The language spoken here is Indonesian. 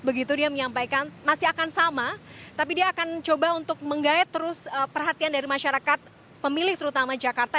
begitu dia menyampaikan masih akan sama tapi dia akan coba untuk menggayat terus perhatian dari masyarakat pemilih terutama jakarta